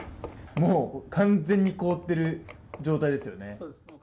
もう完全に凍ってる状態ですよね